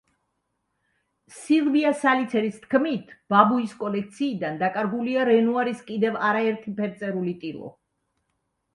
სილვია სალიცერის თქმით, ბაბუის კოლექციიდან დაკარგულია რენუარის კიდევ არაერთი ფერწერული ტილო.